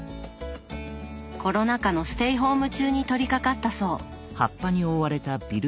コロナ禍のステイホーム中に取りかかったそう。